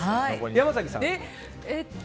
山崎さんは？